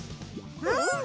うん！